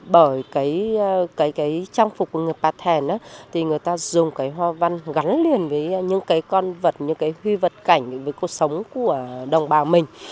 bởi cái trang phục của người pà thèn thì người ta dùng cái hoa văn gắn liền với những cái con vật những cái huy vật cảnh với cuộc sống của đồng bào mình